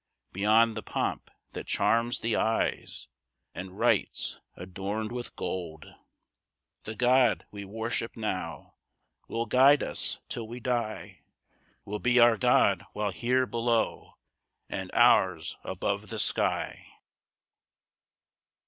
Beyond the pomp that charms the eyes, And rites adorn'd with gold. 6 The God we worship now Will guide us till we die, Will be our God while here below, And ours above the sky.